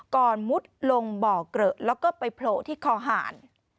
มุดลงบ่อเกลอะแล้วก็ไปโผล่ที่คอหาร